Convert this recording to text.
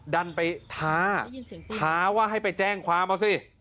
ดันไปท้าท้าว่าให้ไปแจ้งความเอาสิ